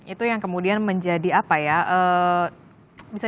itu yang kemudian menjadi apa ya